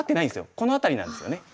この辺りなんですよね。